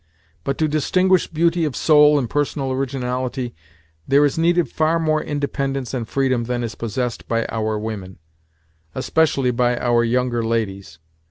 But to distinguish beauty of soul and personal originality there is needed far more independence and freedom than is possessed by our women, especially by our younger ladies.